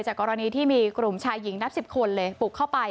กรณีที่มีกลุ่มชายหญิงนับ๑๐คนเลยปลุกเข้าไป